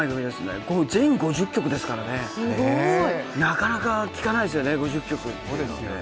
全５０曲ですからねなかなか聴かないですよね、５０曲。